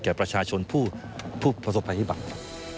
แก่ประชาชนผู้พภพภัยพิบัติ